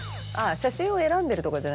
あぁ写真を選んでるとこ。